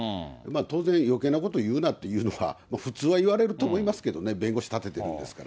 当然、余計なこと言うなっていうのは普通は言われると思いますけどね、弁護士立ててるんですから。